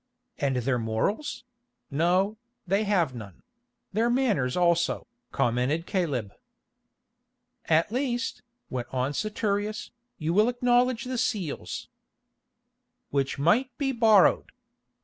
"And their morals—no, they have none—their manners also," commented Caleb. "At the least," went on Saturius, "you will acknowledge the seals——" "Which might be borrowed.